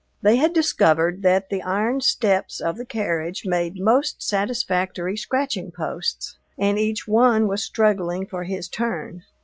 They had discovered that the iron steps of the carriage made most satisfactory scratching posts, and each one was struggling for his turn.